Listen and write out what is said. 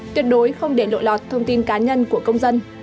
tuyệt đối không để lộ lọt thông tin cá nhân của công dân